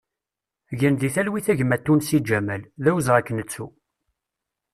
Gen di talwit a gma Tunsi Ǧamal, d awezɣi ad k-nettu!